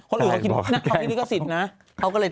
คนอื่นก็ไปขอสนิท